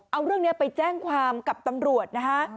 เอาเรื่องนี้ไปแจ้งความกับตำรวจนะคะ